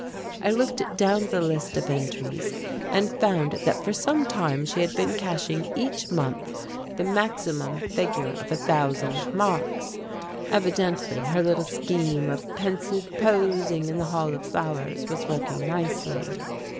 I looked down the list of entries and found that for some time she had been cashing each month the maximum figure of a thousand marks. Evidently her little scheme of pensive posing in the Hall of Flowers was working nicely.